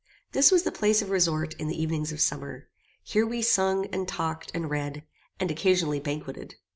This was the place of resort in the evenings of summer. Here we sung, and talked, and read, and occasionally banqueted.